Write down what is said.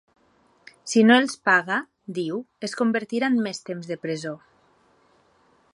Si no els paga, diu, es convertirà en més temps de presó.